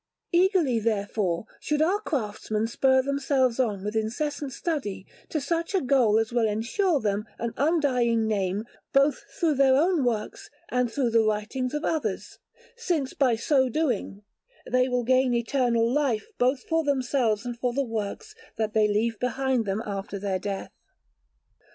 Eagerly, therefore, should our craftsmen spur themselves on with incessant study to such a goal as will ensure them an undying name both through their own works and through the writings of others, since, by so doing, they will gain eternal life both for themselves and for the works that they leave behind them after death.